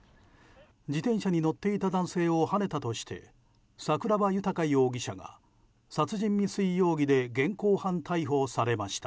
自転車に乗っていた男性をはねたとして桜庭豊容疑者が殺人未遂容疑で現行犯逮捕されました。